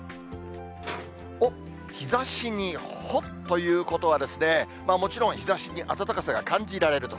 おっ、日ざしにほっということは、もちろん、日ざしに暖かさが感じられると。